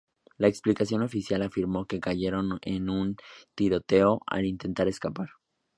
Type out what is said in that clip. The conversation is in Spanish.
La explicación oficial afirmó que cayeron en un tiroteo al intentar escapar.